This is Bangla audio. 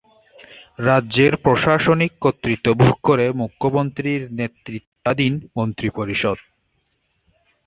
রাজ্যের প্রশাসনিক কর্তৃত্ব ভোগ করে মুখ্যমন্ত্রীর নেতৃত্বাধীন মন্ত্রিপরিষদ।